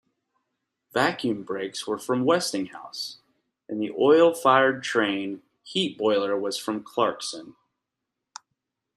Vacuum brakes were from Westinghouse, and the oil-fired train heat boiler was from Clarkson.